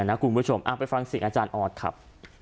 อ้าวไปฟังสิงห์อาจารย์ออธครับ